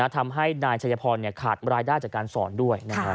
ทำให้นายชัยพรขาดรายได้จากการสอนด้วย